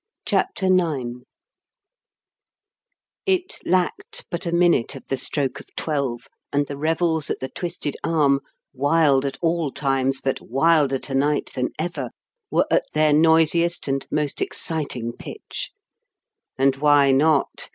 CHAPTER IX It lacked but a minute of the stroke of twelve, and the revels at "The Twisted Arm" wild at all times, but wilder to night than ever were at their noisiest and most exciting pitch. And why not?